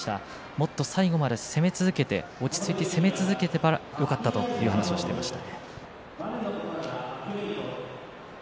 もっと最後まで攻め続けて落ち着いて攻め続けていればよかったという話をしていました。